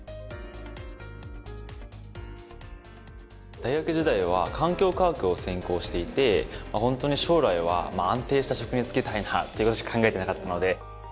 大学時代は環境科学を専攻していて本当に将来は安定した職に就きたいなという事しか考えてなかったので。